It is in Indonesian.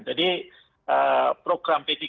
jadi program p tiga